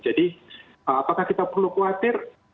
jadi apakah kita perlu khawatir